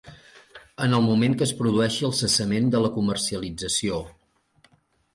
En el moment que es produeixi el cessament de la comercialització.